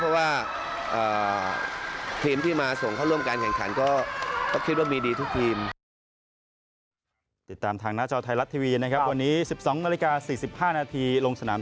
เพราะว่าทีมที่มาส่งเข้าร่วมการแข่งขันก็คิดว่ามีดีทุกทีมนะครับ